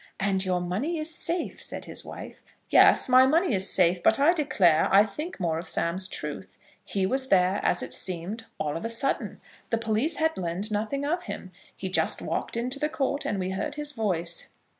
"And your money is safe?" said his wife. "Yes, my money is safe; but, I declare, I think more of Sam's truth. He was there, as it seemed, all of a sudden. The police had learned nothing of him. He just walked into the court, and we heard his voice.